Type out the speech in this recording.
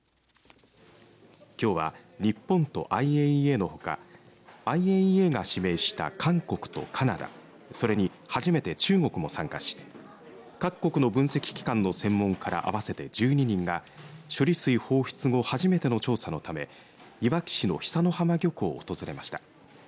きょうは、日本とＩＡＥＡのほかＩＡＥＡが指名した韓国とカナダそれに初めて中国も参加し各国の分析機関の専門家ら合わせて１２人が処理水放出後初めての調査のためいわき市の久之浜漁港を訪れました。